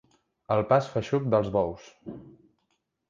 El pas feixuc dels bous.